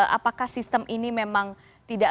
apakah sistem ini memang tidak